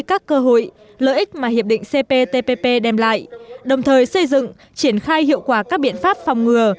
các cơ hội lợi ích mà hiệp định cptpp đem lại đồng thời xây dựng triển khai hiệu quả các biện pháp phòng ngừa